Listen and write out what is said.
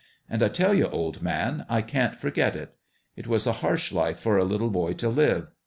And I tell you, old man, I can't forget it ! It was a harsh life for a little boy to live.